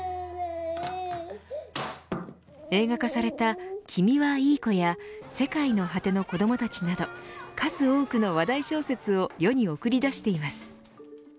映画化された、きみはいい子や世界の果てのこどもたちなど数多くの話題小説を世に送り出しています。